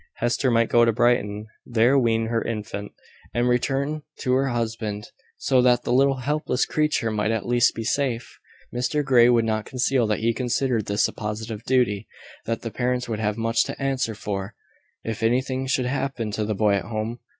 Hester might go to Brighton, there wean her infant, and return to her husband; so that the little helpless creature might at least be safe. Mr Grey would not conceal that he considered this a positive duty that the parents would have much to answer for, if anything should happen to the boy at home.